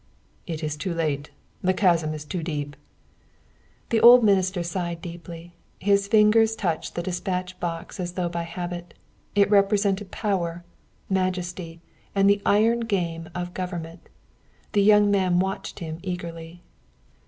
"It is too late. The chasm is too deep." The old minister sighed deeply. His fingers touched the despatch box as though by habit. It represented power, majesty and the iron game of government. The young man watched him eagerly.